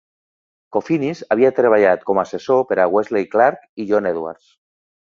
Kofinis havia treballat com a assessor per a Wesley Clark i John Edwards.